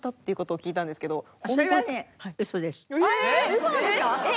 ウソなんですか？